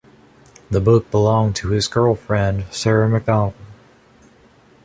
The book belonged to his girlfriend, Sara McDonald.